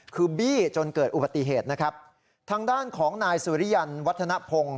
คือบี้จนเกิดอุบัติเหตุนะครับทางด้านของนายสุริยันวัฒนภง